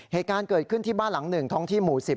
เหตุการณ์เกิดขึ้นที่บ้านหลัง๑ท้องที่หมู่๑๐